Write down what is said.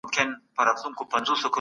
استازي د ولس د باور ساتلو لپاره هڅه کوي.